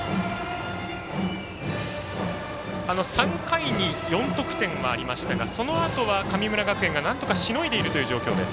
３回に４得点はありましたがそのあとは神村学園がなんとか、しのいでいる状況。